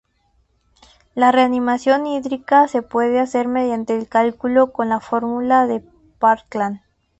La reanimación hídrica se puede hacer mediante el cálculo con la Fórmula de Parkland.